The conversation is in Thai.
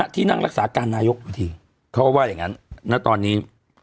ที่นั่งรักษาการนายกบางทีเขาก็ว่าอย่างนั้นณตอนนี้